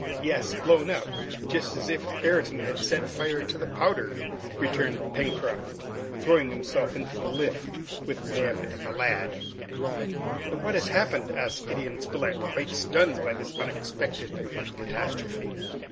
"Yes! blown up, just as if Ayrton had set fire to the powder!" returned Pencroft, throwing himself into the lift together with Neb and the lad. "But what has happened?" asked Gideon Spilett, quite stunned by this unexpected catastrophe.